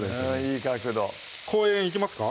いい角度公園行きますか？